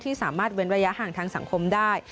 สามารถเว้นระยะห่างทางสังคมได้